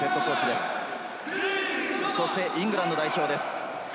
イングランド代表です。